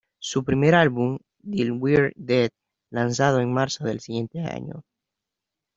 Su primer álbum, Til We're Dead, lanzado en marzo del siguiente año.